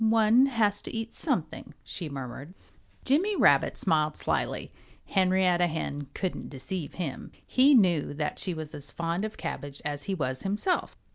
"One has to eat something," she murmured. Jimmy Rabbit smiled slyly. Henrietta Hen couldn't deceive him. He knew that she was as fond of cabbage as he was himself.